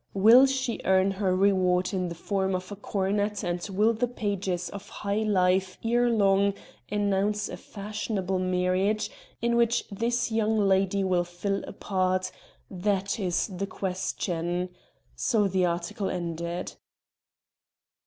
"Will she earn her reward in the form of a coronet and will the pages of 'High Life' ere long announce a fashionable marriage in which this young lady will fill a part? that is the question," so the article ended.